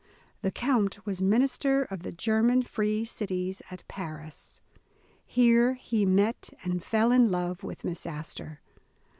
The Count was minister of the German Free Cities, at Paris. Here he met, and fell in love with Miss As tor.